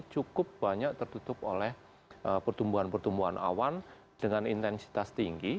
cukup banyak tertutup oleh pertumbuhan pertumbuhan awan dengan intensitas tinggi